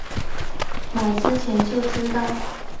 买之前就知道